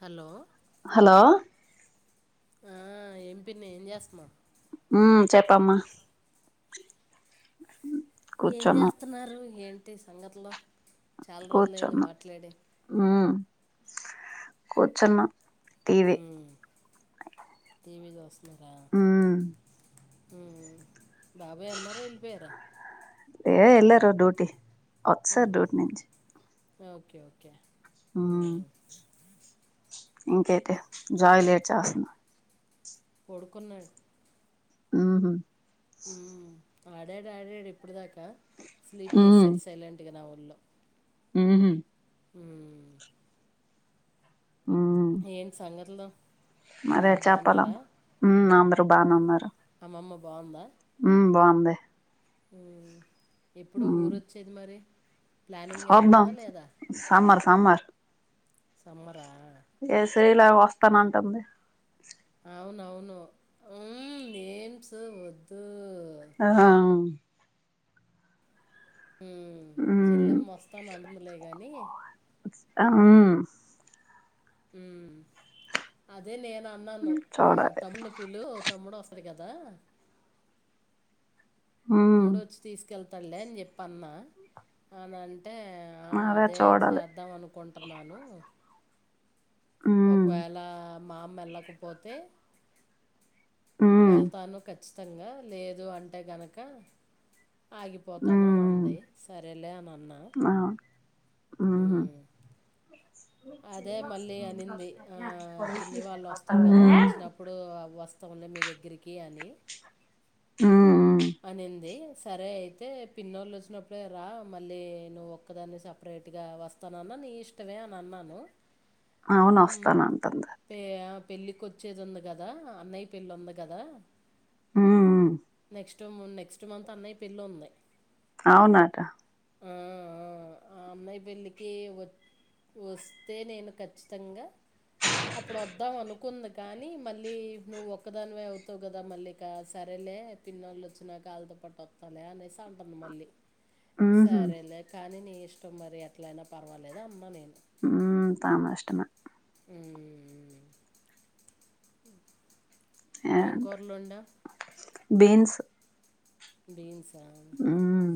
Hello hello ఆ ఏం పిన్ని ఏం చేస్తన్నావు ఉ చెప్పమ్మా ఏం కూర్చున్నాం చేస్తున్నారు ఏంటి సంగతులు చాలా రోజులైంది కూర్చున్నా మాట్లాడి ఉ కూర్చున్నా టీవీ ఉమ్ టీవీ వస్తుందా ఉ ఉ బాబాయ్ ఉన్నారా వెళ్ళిపోయారా లే ఎల్లారు డ్యూటి వత్సార్ ఉహు డ్యూటి నుంచి ఓకే ఓకే ఉ ఉమ్ ఇంకైతే జాయి లేట్ చేస్తున్నా పడుకున్నాడు ఉహు ఉ ఆడాడు ఆడాడు ఇప్పుడు దాకా స్లీప్ ఏసాడు సైలెంట్ గా నా [unintelligible] ఉ హు ఉ మ్మ్ ఏంటి సంగతులు మరే అందరు చెప్పల బాగున్నారా ఉ అందరు బానే ఉన్నారు అమ్మ బాగుందా ఉ బాగుంది ఉ ఎప్పుడో ఊరోచ్చేది మరి ప్లానింగ్ ఏమైనా హంభం ఉందా లేదా సమ్మర్ సమ్మర్ సమ్మరా ఏ శీలా వస్తానంటుంది అవున అవును ఉ నేమ్స్ వద్దు ఆహా అవును హ మ్మ్ చెల్లం మస్తాని అండదులే గాని అవు ఉ అదే నేను అన్నాను ఆ చూడాలి తమ్డిని పిల్లు తమ్ముడు వస్త రారు కదా ఉమ్ మూడు వచ్చి తీసుకెళ్తాడు లే అని చెప్పి అన్నా అ అంటే ఆ అదే చేద్దాం అనుకుంటున్నాను ఉమ్ ఒకవేళ మామ వెళ్ళకపోతే ఉమ్ వెళ్తాను ఖచ్చితంగా లేదు అంటే గనుక ఆగిపోతానుని ఉమ్ అంది సరేలే అని అన్నా అవును ఉమ్ అదే మళ్ళీ అనింది ఆ పిన్ని వాళ్ళు వస్తారు కదా వచ్చినప్పుడు వస్త పస్తంలో మీ దగ్గరికి అని ఉమ్ అనింది సరే అయితే పిన్నోళ్ళు వచ్చినప్పుడే రా మళ్ళీ నువ్వు ఒక్కదాన్ని సపరేట్గా వస్తాన అన్న నీ ఇష్టవే అని అన్నాను అవును వస్తాను అంటుంది పెళ్ళికిచ్చేది ఉంది కదా అన్నయ్య పెళ్లి ఉంది కదా ఉమ్ నెక్స్ట్ నెక్స్ట్ మంత్ అన్నయ్య పెళ్ళుంది అవునాట ఆ ఆ అన్నయ పెళ్ళికి వ వస్తే నేను ఖచ్చితంగా అప్పుడు వద్దాం అను ది కానీ మళ్ళీ నువ్వు ఒక్కదానివే అవుతావు కదా మళ్ళీ సరేలే పిన్నళ్ళు వచ్చిన కాలుతో పట్టు వస్తాల అనేసి అంటుంది మళ్ళీ ఉహు సరేలే కానీ నీ ఇష్టం మరి ఎట్లయినా పర్వాలేదు అన నేను ఉ తమా ఇష్టమా అ కూరలు వండావు బీన్స్ బీన్సా ఉమ్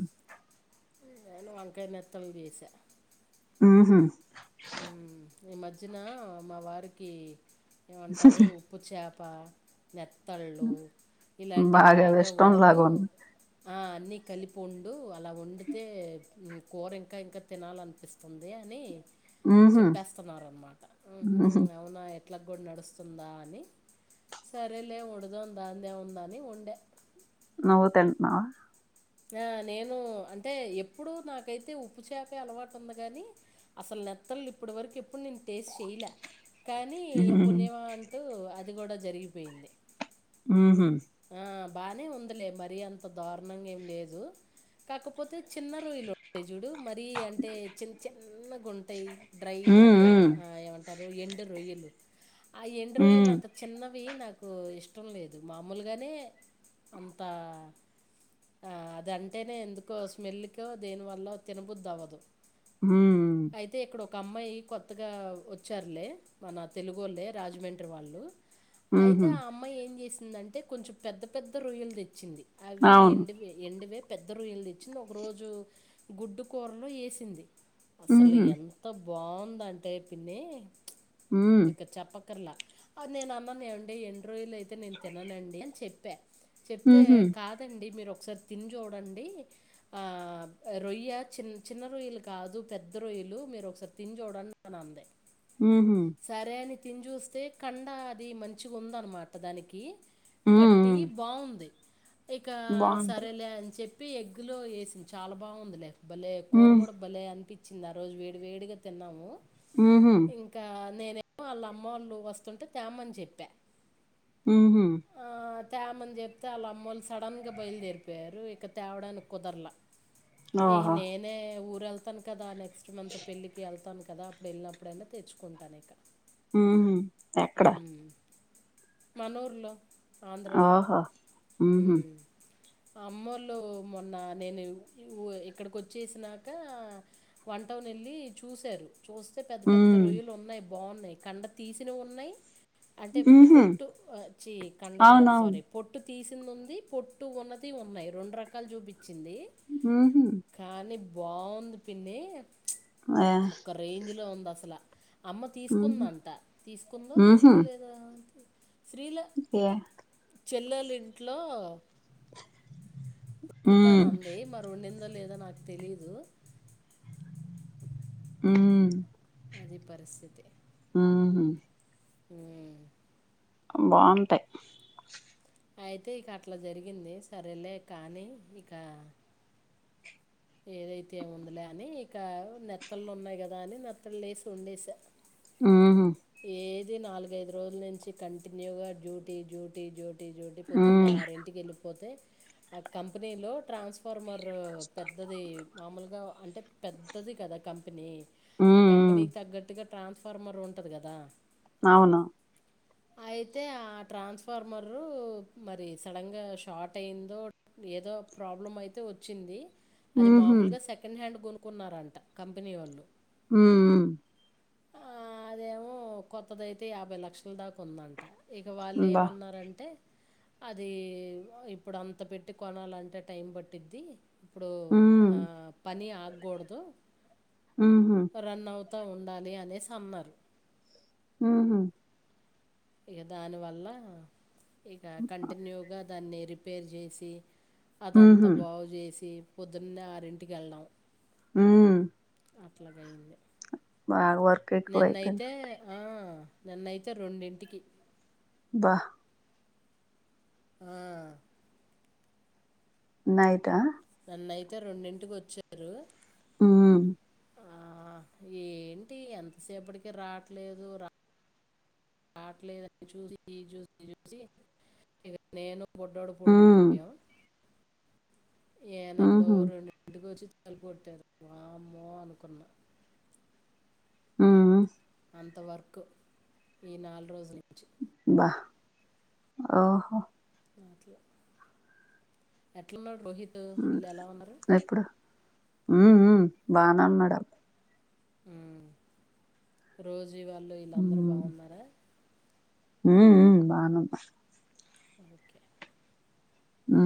నేను వంకాయ నెత్తలు చేశా ఉహు ఈ మధ్యన మా వారికి ఏమంటారు ఉప్పు చేప అప్ప నెత్తళ్ళు ఇలాంటివి బాగా ఇష్టం వండు లాగా ఉంది ఆ అన్నీ కలిపి వండు అలా వండితే కూర ఇంకా ఇంకా తినాలనిపిస్తుంది అనీ ఉహు చెప్పేస్తున్నారు అనమాట ఉహు అవునా ఎట్లకి కూడా నడుస్తుందా అని సరేలే వందుదాం దానిది ఏముంది అని వందా నువ్వు తంటన్నావా ఆ నేను అంటే ఎప్పుడు నాకైతే ఉప్పు చెపే అలవాటు ఉంది కాని అసలు నత్తలు ఇప్పటివరకు ఎప్పుడు నేను టేస్ట్ చేయలే కానీ ఈ ఉహు పుణ్యమ అంటూ అది కూడా జరిగిపోయింది ఉహు ఆ బానే ఉందిలే మరీ అంత దారుణంగా ఏం లేదు కాకపోతే చిన్న రొయలు ఉ చూడు మరీ అంటే చిన్న చిన్నగాంటాయి డ్రై అదే ఉమ్ ఆ ఏమంట ఎండు రొయ్యలు ఆ ఎండు ఉమ్ రొయ్యలు అంత ఉమ్ చిన్నవి నాకు ఇష్టం లేదు మా మాములుగానే అంత ఆ అదంటేనే ఎందుకో స్మెల్కో దేనివల్ల తినబుది అవ్వదు ఉమ్ అయితే ఇక్కడ ఒక అమ్మాయి కొత్తగా వచ్చారులే మన తెలుగు వాళ్ళ రాజమండ్రి వాళ్ళు అయితే హుహు. ఆ అమ్మాయి ఏం చేసిందంటే కొంచెం పెద్ద పెద్ద రొయ్యలు తెచ్చింది. అవి అవును. ఎండువే ఎండువే పెద్ద రొయ్యలు తెచ్చింది. ఒక రోజు గుడ్డు కూరలో ఏసింది. అసలు హుహు. ఎంత బా బాందంటే పిన్ని హ్మ్. ఇక చెప్పక్ అక్కర్లా నేనన్నాను, ఏవండి ఎండి రొయ్యలయితే నేను తిననండి అని చెప్పా. చెప్తే హుహు. కాదండి మీరో సరే తిని చూడండి. ఆ రొయ్య చిన్ చిన్న రొయ్యలు కాదు పెద్ద రొయ్య రొయ్యలు మీరొకసారి తిని చూడండి అనంది. ఉమ్ హుమ్ తిని చూస్తే కండ అది మంచిగుందనమాట, దానికి హ్మ్. పట్టి హ్మ్. బావుంది. ఇక బావుంటది. సరేలే అని చెప్పి ఎగ్గులో వేసింది. చాల బావుంది లే. బలే కూర హ్మ్. గూడ బలే అనిపించింది. ఆ రోజు వేడి వేడిగా తిన్నాము. హుహు. ఇంకా నేనేమో వాళ్ళ అమ్మోళ్ళు వస్తుంటే తామ్మని చెప్పా. ఉమ్ హుమ్ తామ్మని చెప్తే వాళ్ళమ్మోళ్ళు సడన్ గా బయలుదేరిపోయారు. ఇక తేవడానికి కుదరలా ఇగ ఓహో! నేనే ఉర్ ఊరెళ్తాను కదా, నెక్స్ట్ మంత్ పెళ్ళికి వెళ్తాను కదా, అప్పుడెళ్ళినప్పుడైనా తెచ్చుకుంటానిక. ఉమ్ హుమ్ ఎక్కడ మనూర్లో అహో ఊహు అమ్మోళ్లు మొన్న నేను ఊ ఇక్కడికి వచ్చేసినాక వంటోన్ వెళ్ళి చూసారు చూస్తే పెద్ద పెద్ద హ్మ్. రొయ్యలున్నాయ్, బావున్నాయి. కండ తీసిన ఉన్నయ్. అటే హుహు. పొట్టు ఆ చ్చి కండ కాదు అవునవును. సారీ పొట్టు తీసిందుంది, పొట్టు ఉన్నది ఉన్నాయ్, రెండు రకాలు చూపి నచ్చింది, హుహు. కానీ బావుంది పిన్ని. ఆ! ఒక రేంజ్ లో ఉందసల అమ్మ హుహు. తీసుకుందంట, తీసుకుందో హుహు. తీసుకోలేదా? శ్రీల యాహ్! చెల్లోలింట్లో హ్మ్. వండుతానంది మరి వండిందో, లేదో నాకు తెలీదు. ఉమ్ అది పరిస్థితి ఆ హ్మ్మ్ బాగుంటాయి అయితే ఇకట్లా జరిగింది. సరేలే కానీ ఇక ఏదైతే ఏముందిలే అని ఇక నెత్తళ్ళున్నాయి కదా! అని నెత్తళ్లేసి వండేస ఆహ ఏది నాలుగైదు రోజుల నుంచి కంటిన్యూగా డ్యూటీ డ్యూటీ డ్యూట్ నేను డ్యూటీ పొద్దున్నే హ్మ్. హ్మ్. ఆరింటికెళ్ళిపోతే, ఆ కంపెనీలో ట్రాన్స్ఫార్మర్ రో పెద్దది మామూలుగా అంటే పెద్దది కదా కంపెనీ. ఆ హ్మ్. కంపెనీకి తగ్గట్టుగా ట్రాన్స్ఫార్మర్ ఉంటది గదా. అవును అ అయితే ఆ ట్రాన్స్ఫార్మరు మరి సడన్గా షార్ట్ అయిందో ఏదో ప్రాబ్లం అయితే వచ్చింది. అది హుహు. మామూలుగా సెకండ్ హ్యాండ్ కొనుకున్నారంట కంపెనీ వోళ్ళు హ ఆ అదేమో కొత్తదయితే యాభై లక్షల దాకుందంట. ఇగ అబ్బా! వాళ్ళేమన్నారంటే? అది ఇప్పుడంత పెట్టి కొనాలంటే టైం పట్టిద్ది. ఇప్పుడు హ్మ్. ఆ పని ఆగకూడదు. ఊ హు తో ఉండాలి అనేసి అన్నరు ఊ హు ఇక దానివల్ల ఇక కంటిన్యూగా దాన్ని రిపేర్ చేసి అదంతా ఉహు బాగు చేసి పొద్దున్నే ఆరింటికి వెళ్ళాడం ఊ అట్లాగయింది బాగవత్ నిన్నైతే ఆ నిన్నైతే రెండింటికి భహ ఆ నైటా నన్నయితే రెండింటికి వచ్చారు ఊ ఆ ఏంటి ఎంతసేపటికి రాట్లేదు రాట్లేదుని చూసి చూసి చూసి ఇగ నేను బొడ్డుడో పోడుకును ఉమ్ పోయాం ఏనా ఎప్పుడు ఉహు రెండింటికి వచ్చి తలుపూ కోట్టారు వామ్మో అనుకున్న ఆ అంతవర్క్ ఈ నాలుగు రోజులు బ ఓహో ఆట్లా ఎట్లాన్నారు రోహిత్ వీళ్ళు ఎలా ఉన్నారు ఉ ఉ బానే ఉన్నాడు హు రోజి వాళ్ళు వీళ్ళందరూ బాగున్నారా ఊ ఊ బాగున ఓకే ఆ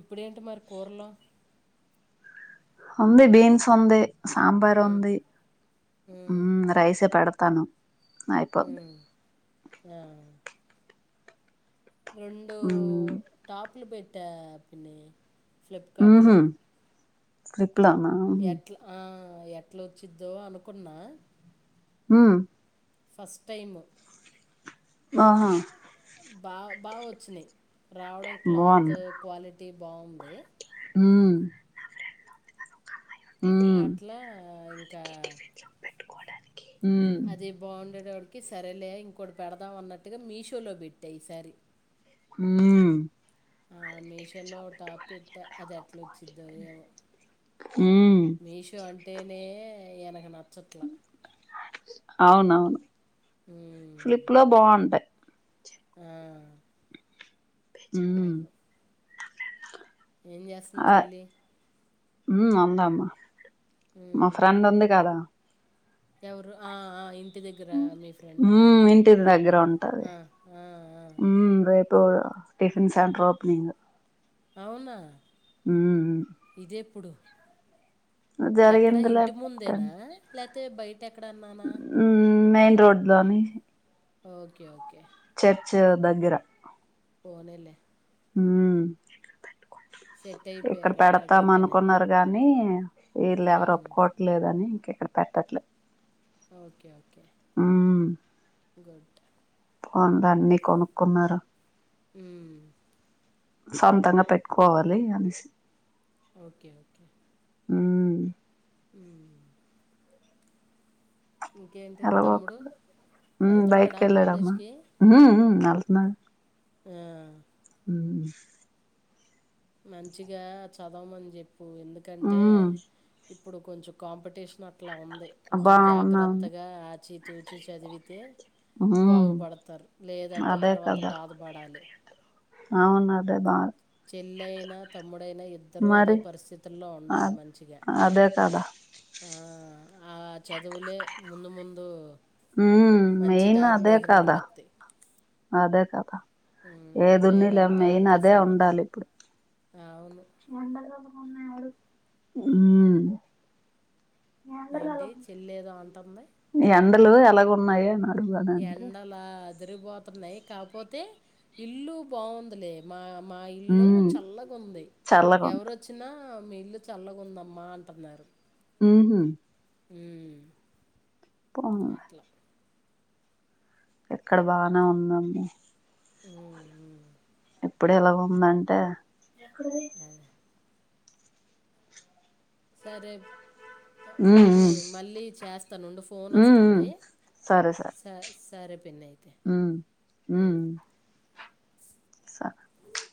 ఇప్పుడేంటి మరి కూరలో ఉంది బీన్స్ ఉంది సాబారు ఉమ్, ఉంది ఉమ్, రైస్ పెడత తను ఐపొద్ది ఉ రెండూ ఉమ్ టాప్లు పెట్ట పిన్ని ఫ్లిప్కార్ట్ ఉహు లో స్లిప్లోనా ఎట్లా ఆ ఎట్ల వచ్చిద్దో అనుకున్నా ఉ ఫస్ట్ టైము ఆహా బా బాగా వచ్చినాయి రావడం క్లాత్ బాగుంది క్వాలిటీ బాగుంది హఊ అట్లా ఇంకా ఉమ్ అది బాగుండేడు ఆడు సరేలే ఇంకోటి పెడదాం అన్నట్టుగా మీషోలో పెట్టా ఈసారి ఊ... ఆ మషోలో టాప్ పెట్టా అది ఎట్లా వచ్చిద్దో ఏమో ఉమ్ మీషో అంటేనే ఈనకు నచ్చట్ల అవునవును ప్లిప్ లో బావుటయి ఆ ఊ అవును ఏం జేస్తుంది ఆ చెల్లి ఉమ్ ఉందమ్మా, మా ఉమ్, ఫ్రెండ్ ఉంది కదా. ఎవరు ఆ ఆ ఇంత్ ఇంటి దగ్గర మీ ఫ్రెండా ఉమ్ ఇంటి దగ్గర ఉంటది ఆ, ఆఆ ఆ టిఫన్ సెంట్ర ఓపెనింగు అవునా, ఇదేప్పుడు? ఎక్కడ జరిగిందిలే ఇంటి ముందేనా, లేతే బయట ఎక్కడన్నానా ఉమ్ మెయిన్ రోడ్ లోని. Okay okay. చర్చ్ దగ్గర. పోనీలే ఉమ్ సెట్ ఇక్కడ అయిపోయారు పెడతాం అట్లాగైతేనే అనుకున్నారు గానీ వీళ్ళ ఎవరు మ్మ్. ఒప్పుకోవట్లేదని ఇంక ఇక్కడ పెట్టట్లే. Okay okay. ఉమ్ గుడ్ పోనీలె అన్ని కొనుక్కున్నారు. ఉమ్ సొంతంగా పెట్టుకోవాలి అనేసి ఓకే ఓకే. ఉమ్ ఉమ్ ఎలాగు, తమ్ముడు ఉమ్ వెళ్తున్నాడా బయటికెళ్ళాడమ్మా కాలేజ్కి ఉమ్ మ్మ్ వెళ్తున్నాడు. ఆ ఉమ్ మంచిగా చదవమని చెప్పు ఎందుకంటే ఉమ్ ఇప్పుడు కొంచెం కాంపిటీషన్ అట్లా ఉంది కొంచెం బావున్నాను జాగ్రత్తగా ఆచి తూచి చదివితే ఉమ్ బాగుపడతారు, లేదంటే అదే తర్వాత కదా బాధపడాలి. అవును అదే బాధ చెల్లయిన తమ్ముడైనా ఇద్దరూ అదే మరి పరిస్థితుల్లో అ ఉండాలి, మంచిగా అదే కదా ఆ ఆ చదువులే ముందు ముందు ఉమ్ మంచి మెయిన్ అదే దారిలోకి కాదా నడిపిస్తాయి అదే కదా. ఏ దున్నీలెమ్మా లేదంటే మెయిన్ అంతే అదే సంగతులు ఉండాలి ఇప్పుడు. అవును ఉమ్ ఏంటి చెల్లి ఏదో అంటుంది. లో ఎలాగున్నాయి అని అడ్ ఎండలా అదిరిపోతున్నాయి కాపోతే ఇల్లు బాగుందిలే, మా మా ఇల్లు ఉమ్ చల్లగా ఉంది, చల్లగుంది ఎవరొచ్చినా ఆ మీ ఇల్లు చల్లగుందమ్మా అంటున్నారు. ఉహు ఉమ్ పోమ్ అట్లా ఇక్కడ బానే ఉందమ్మా ఉమ్ ఎప్పుడెలా ఉందంటే అదే సరే ఉ ఉ పిన్ని మళ్ళీ చేస్తానుండు ఫోన్ ఉ ఉ వస్తుంది, సరే సరే స స్ సరే పన్నయితే ఉ ఉమ్ స